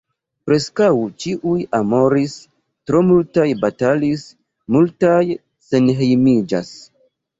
Preskaŭ ĉiuj amoris, tro multaj batalis, multaj senhejmiĝas.